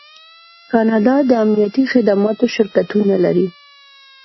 کاناډا د امنیتي خدماتو شرکتونه لري.